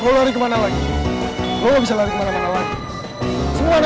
kau lari kemana lagi lo bisa lari kemana mana lagi semua ada